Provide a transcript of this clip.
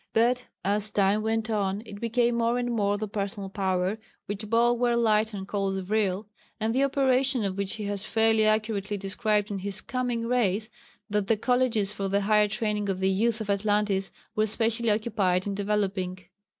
But as time went on it became more and more the personal power, which Bulwer Lytton calls vril, and the operation of which he has fairly accurately described in his Coming Race, that the colleges for the higher training of the youth of Atlantis were specially occupied in developing.